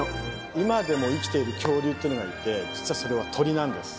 今でも生きている恐竜っていうのがいて実はそれは鳥なんです。